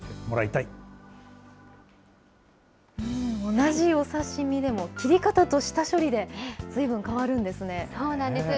同じお刺身でも切り方と下処理でずいぶん変わるんですね。